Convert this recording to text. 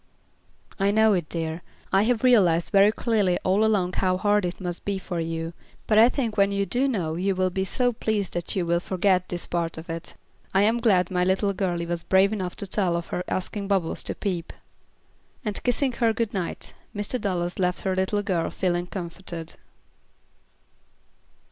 "I know it, dear. I have realized very clearly all along how hard it must be for you, but I think when you do know you will be so pleased that you will forget this part of it. I am glad my little girlie was brave enough to tell of her asking Bubbles to peep." And kissing her good night, Mrs. Dallas left her little girl feeling comforted.